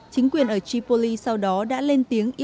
chính quyền ở tripoli sau đó đã lên tiếng